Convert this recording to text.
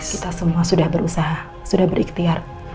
kita semua sudah berusaha sudah berikhtiar